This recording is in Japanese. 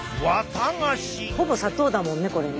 ほぼ砂糖だもんねこれね。